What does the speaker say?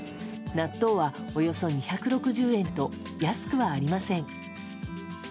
納豆は、およそ２６０円と安くはありません。